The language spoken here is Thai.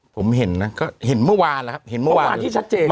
ผมเห็นนะก็เห็นเมื่อวานแล้วครับเห็นเมื่อวานที่ชัดเจน